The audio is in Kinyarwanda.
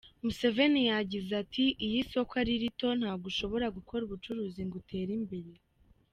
Museveni yagize ati “Iyo isoko ari rito, ntabwo ushobora gukora ubucuruzi ngo utere imbere.